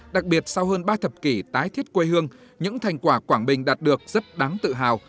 đặc biệt sau hơn ba thập kỷ tái thiết quê hương những thành quả quảng bình đạt được rất đáng tự hào